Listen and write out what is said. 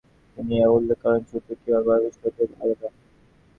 তিনি এও উল্লেখ করেন, শূদ্র কীভাবে অস্পৃশ্য হতে আলাদা।